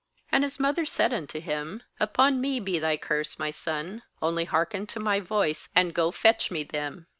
13And his mother said unto him: 'Upon me be thy curse, my son; only hearken to my voice, and go fetch me them.'